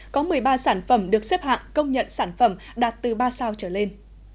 có một mươi ba sản phẩm được xếp hạng công nhận sản phẩm đạt từ ba sao trở lên